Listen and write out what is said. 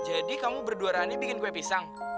jadi kamu berdua rani bikin kue pisang